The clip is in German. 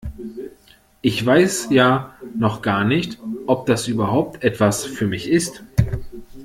Ich weiß ja noch gar nicht, ob das überhaupt etwas für mich ist.